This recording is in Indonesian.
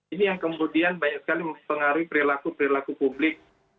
ini yang kemudian banyak sekali mempengaruhi perilaku perilaku publik